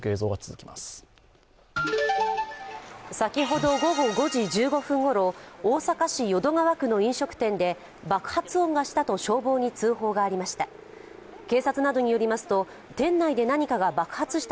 先ほど午後５時１５分ごろ、大阪市淀川区の飲食店で爆発音がしたと消防に通報がありました。